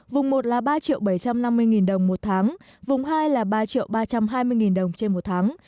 vùng một là ba bảy trăm năm mươi đồng một tháng vùng hai là ba ba trăm hai mươi đồng trên một tháng